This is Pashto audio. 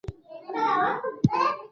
د سولر پمپونو کارول عام شوي.